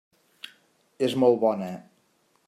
És molt bona.